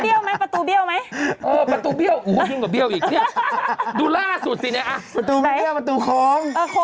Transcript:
ประตูเบี้ยวไหมประตูเบี้ยวไหมมาแปลกแปลก